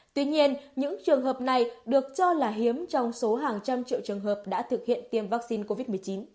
tuy nhiên những trường hợp này được cho là hiếm trong số hàng trăm triệu trường hợp đã thực hiện tiêm vaccine covid một mươi chín